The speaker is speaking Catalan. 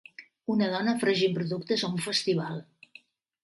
Una dona fregint productes a un festival.